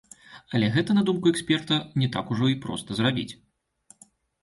Але гэта, на думку эксперта, не так ужо і проста зрабіць.